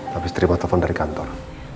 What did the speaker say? habis terima telepon dari kantor